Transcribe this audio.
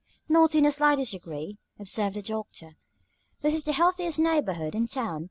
"Not in the slightest degree," observed the Doctor. "This is the healthiest neighborhood in town.